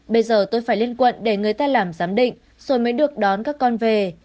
bây giờ tôi phải lên quận để người ta làm giám định rồi mới được đón các con về